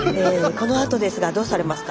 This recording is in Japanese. このあとですがどうされますか？